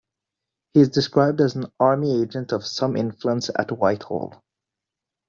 He is described as "an army agent of some influence at Whitehall".